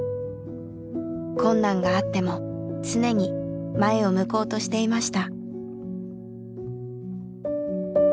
困難があっても常に前を向こうとしていました。